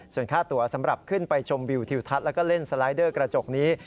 ส่วนค่าตัวสำหรับขึ้นไปชมวิวทิวทัศน์แล้วก็เล่นสไลเดอร์กระจกนี้